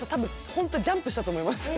ホントジャンプしたと思います。